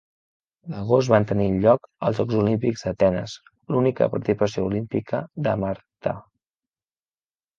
L'agost van tenir lloc els Jocs Olímpics d'Atenes, l'única participació olímpica de Marta.